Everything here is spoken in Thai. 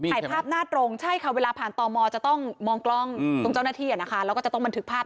ถ่ายภาพหน้าตรงใช่ค่ะเวลาผ่านตมจะต้องมองกล้องตรงเจ้าหน้าที่นะคะแล้วก็จะต้องบันทึกภาพ